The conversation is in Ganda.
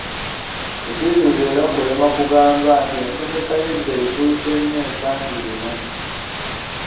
Tetuyinza era kulema kugamba nti ensomesa ey'eddaa ekyuse nnyo ensangi zino.